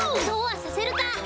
そうはさせるか！